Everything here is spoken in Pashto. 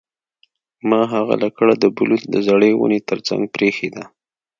ما هغه لکړه د بلوط د زړې ونې ترڅنګ پریښې ده